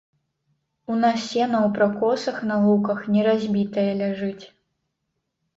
У нас сена ў пракосах на луках не разбітае ляжыць.